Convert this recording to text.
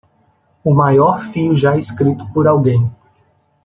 O maior fio já escrito por alguém.